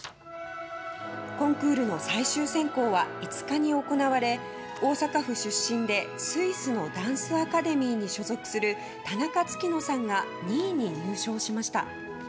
コンクールの最終選考は５日に行われ大阪府出身で、スイスのダンスアカデミーに所属する田中月乃さんが２位に入賞しました。